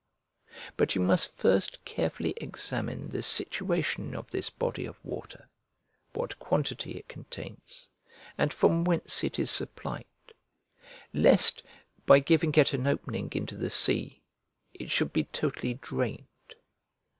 But you must first carefully examine the situation of this body of water, what quantity it contains, and from whence it is supplied; lest, by giving it an opening into the sea, it should be totally drained.